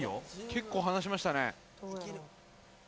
結構離しましたね。